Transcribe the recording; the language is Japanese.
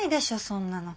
そんなの。